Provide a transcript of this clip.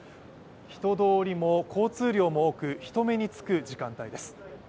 人通りも交通量も多く人目につく時間帯です。